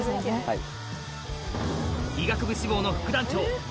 はい。